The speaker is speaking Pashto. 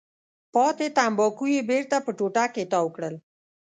پاتې تنباکو یې بېرته په ټوټه کې تاو کړل.